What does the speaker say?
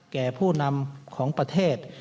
แก่ผู้นำของประเทศ